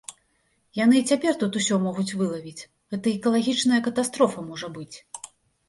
Яны і цяпер тут усё могуць вылавіць, гэта экалагічная катастрофа можа быць.